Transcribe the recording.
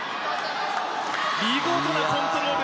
見事なコントロール！